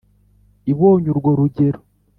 ibonye urwo rugero